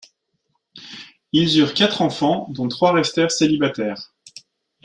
Ils eurent quatre enfants, dont trois restèrent célibataires.